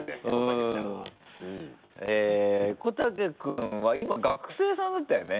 小竹君は今学生さんだったよね。